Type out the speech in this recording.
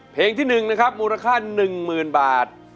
เพลงที่นึงนะครับมูลค่า๑หมื่นบาท